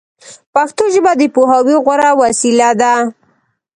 پښتو ژبه د پوهاوي غوره وسیله ده